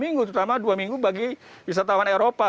minggu terutama dua minggu bagi wisatawan eropa